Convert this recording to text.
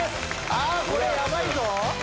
あっこれヤバいぞ！